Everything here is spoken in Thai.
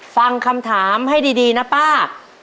ฟังคำถามให้ดีนะป้า